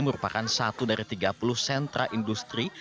merupakan satu dari tiga puluh sentra industri